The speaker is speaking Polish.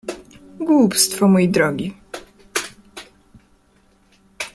— Głupstwo, mój drogi.